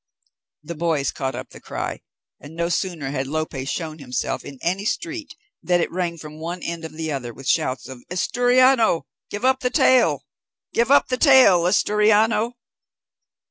The boys caught up the cry, and no sooner had Lope shown himself in any street, than it rang from one end to the other with shouts of "Asturiano, give up the tail! Give up the tail, Asturiano!"